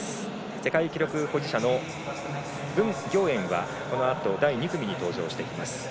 世界記録保持者の文暁燕はこのあと第２組に登場してきます。